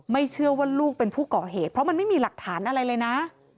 เชื่อว่าลูกเป็นผู้ก่อเหตุเพราะมันไม่มีหลักฐานอะไรเลยนะ